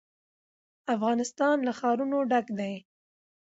افغانستان له ښارونه ډک دی.